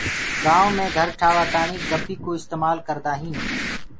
گآئونٚ مي گھر ٺآوآ تآڻي گَپي ڪو استمآل ڪردآ هينٚ۔